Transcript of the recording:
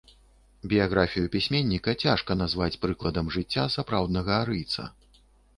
Біяграфію пісьменніка цяжка назваць прыкладам жыцця сапраўднага арыйца.